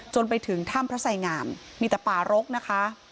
จนไปถึงถ้ำพระไสงามมีแต่ป่ารกนะคะ